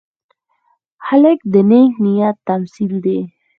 هلک د نیک نیت تمثیل دی.